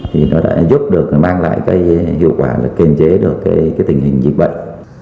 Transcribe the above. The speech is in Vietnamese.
thì nó đã giúp được mang lại cái hiệu quả là kiềm chế được cái tình hình dịch bệnh